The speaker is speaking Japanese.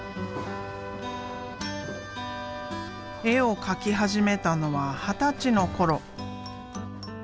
絵を描き始めたのは二十歳の頃。